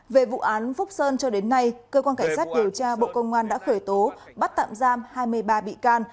về vụ án phúc sơn cho đến nay cơ quan cảnh sát điều tra bộ công an đã khởi tố bắt tạm giam hai mươi ba bị can